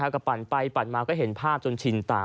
ก็ปั่นไปปั่นมาก็เห็นภาพจนชินตา